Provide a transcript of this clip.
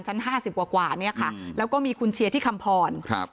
ห้าสิบกว่ากว่าเนี่ยค่ะแล้วก็มีคุณเชียร์ที่คำพรครับ